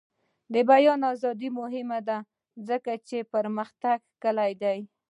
د بیان ازادي مهمه ده ځکه چې د پرمختګ کلي ده.